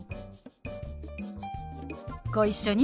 ご一緒に。